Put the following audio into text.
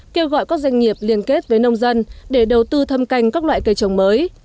kêu gọi các doanh nghiệp liên kết với nông dân để đầu tư thâm canh các loại cây trồng mới